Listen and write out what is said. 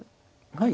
はい。